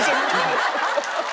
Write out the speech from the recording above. ハハハハ！